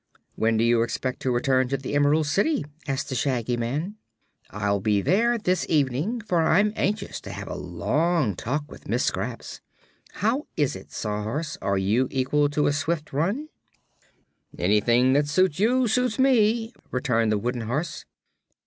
"When do you expect to return to the Emerald City?" asked the Shaggy Man. "I'll be there this evening, for I'm anxious to have a long talk with Miss Scraps. How is it, Sawhorse; are you equal to a swift run?" "Anything that suits you suits me," returned the wooden horse.